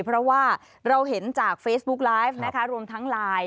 เพราะว่าเราเห็นจากเฟซบุ๊กไลฟ์นะคะรวมทั้งไลน์